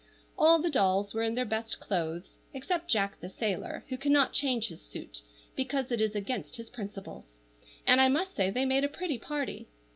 All the dolls were in their best clothes, except Jack the sailor, who cannot change his suit, because it is against his principles; and I must say they made a pretty party.